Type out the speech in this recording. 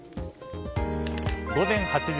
午前８時。